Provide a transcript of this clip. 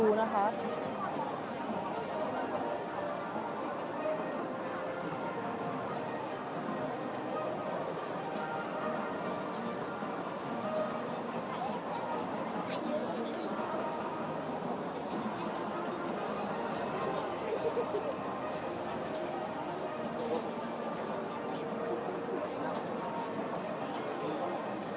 ส่วนต้นทำเข้าใจของหลายก่อน